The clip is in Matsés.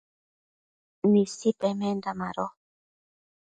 Nisi pemenda mado